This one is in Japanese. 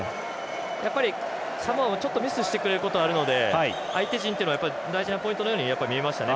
やっぱり、サモアもちょっとミスしてくれることもあるので相手陣っていうのは大事なポイントのように見えました。